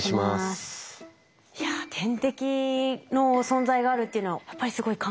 いや天敵の存在があるっていうのはやっぱりすごい関係は深いですか？